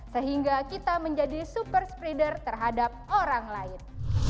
sehingga kita menjadi super spreader terhadap orang lain